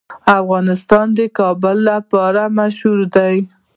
افغانستان د کابل لپاره مشهور دی.